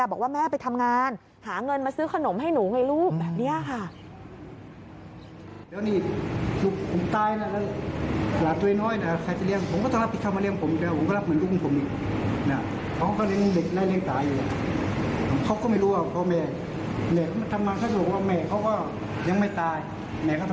บอกว่าแม่ไปทำงานหาเงินมาซื้อขนมให้หนูไงลูกแบบนี้ค่ะ